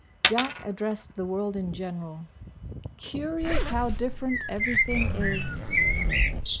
Jack addressed the world in general. "Curious, how different everything is."